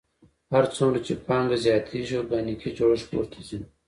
هر څومره چې پانګه زیاتېږي ارګانیکي جوړښت پورته ځي